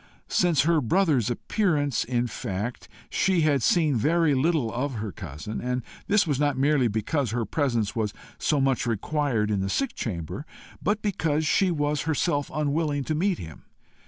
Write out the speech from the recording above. Since her brother's appearance, in fact, she had seen very little of her cousin, and this not merely because her presence was so much required in the sick chamber, but because she was herself unwilling to meet him.